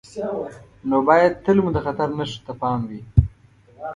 نو باید تل مو د خطر نښو ته پام وي.